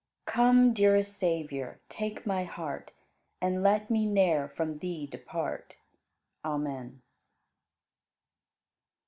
102. Come, dearest Savior, take my heart And let me ne'er from Thee depart. Amen.